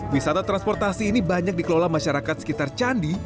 wisata transportasi ini banyak dikelola masyarakat sekitar candi